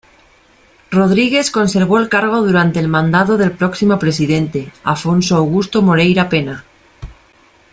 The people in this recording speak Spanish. Rodrigues conservó el cargo durante el mandado del próximo presidente, Afonso Augusto Moreira Pena.